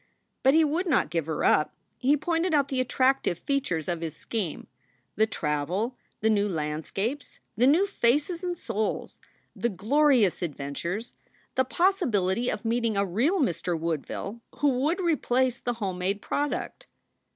But he would not give her up. He pointed out the attractive features of his scheme, the travel, the new landscapes, the new faces and souls, the glorious adventures, the possibility of meeting a real Mr. Woodville who would replace the homemade product.